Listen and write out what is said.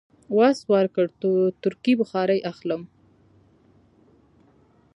وس ورکړ، تورکي بخارۍ اخلم.